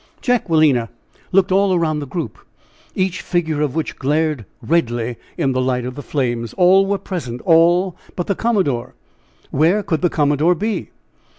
Jacquelina looked all around the group, each figure of which glared redly in the light of the flames. All were present all but the commodore! Where could the commodore be?